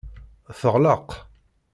Teɣleq.